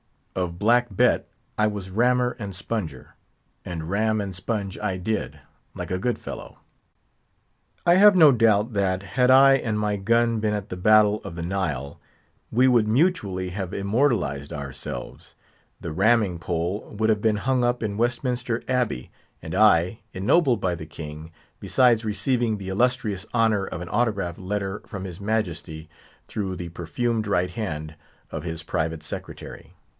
Of Black Bet I was rammer and sponger; and ram and sponge I did, like a good fellow. I have no doubt that, had I and my gun been at the battle of the Nile, we would mutually have immortalised ourselves; the ramming pole would have been hung up in Westminster Abbey; and I, ennobled by the king, besides receiving the illustrious honour of an autograph letter from his majesty through the perfumed right hand of his private secretary.